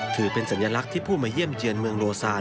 ถือเป็นสัญลักษณ์ที่ผู้มาเยี่ยมเยือนเมืองโลซาน